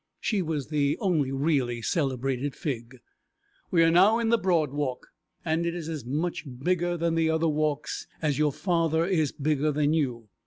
She was the only really celebrated Fig. We are now in the Broad Walk, and it is as much bigger than the other walks as your father is bigger than you.